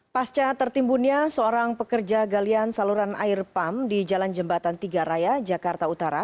pasca tertimbunnya seorang pekerja galian saluran air pump di jalan jembatan tiga raya jakarta utara